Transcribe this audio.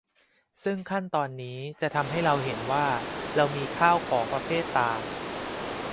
ซึ่งขั้นตอนนี้จะทำให้เราเห็นว่าเรามีข้าวของประเภทต่าง